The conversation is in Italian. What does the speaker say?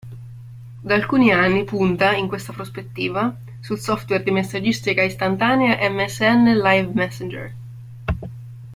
Da alcuni anni punta in questa prospettiva sul software di messaggistica istantanea MSN Live Messenger.